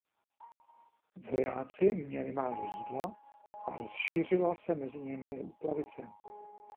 Vojáci měli málo jídla a rozšířila se mezi nimi úplavice.